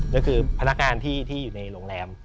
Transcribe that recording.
ก็คือพนักงานที่อยู่ในโรงแรม